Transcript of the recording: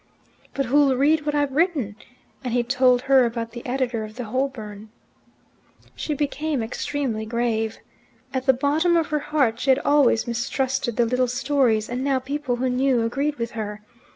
"But who'll read what I've written?" and he told her about the editor of the "Holborn." She became extremely grave. At the bottom of her heart she had always mistrusted the little stories, and now people who knew agreed with her.